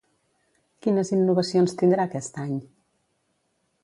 Quines innovacions tindrà aquest any?